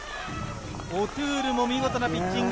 オトゥールも見事なピッチング。